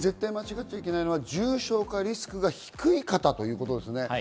間違ってはいけないのは重症化リスクが低い方ということです。